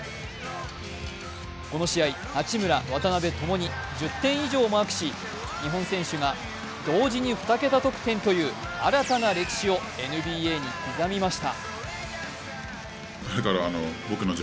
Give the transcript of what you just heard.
この試合、八村、渡邊、ともに１０点以上を記録し日本選手が同時に２桁得点という新たな歴史をＮＢＡに刻みました。